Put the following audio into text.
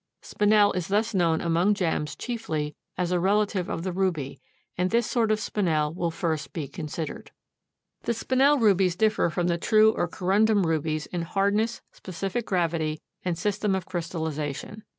Spinel is thus known among gems chiefly as a relative of the ruby, and this sort of Spinel will first be considered. The Spinel rubies differ from the true or corundum rubies in hardness, specific gravity and system of crystallization.